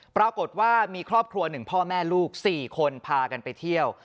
ปรากฏว่ามีครอบครัว๑พ่อแม่ลูก๔คนพากันไปเที่ยว